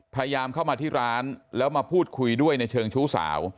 พยายามเข้ามาที่ร้านแล้วมาพูดคุยด้วยในเชิงชู้สาว